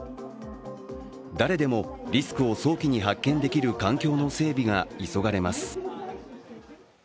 誰でもリスクを早期に発見できる環境の整備が急がれます。